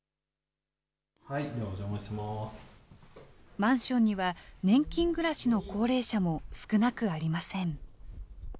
マンションには、年金暮らしの高齢者も少なくありません。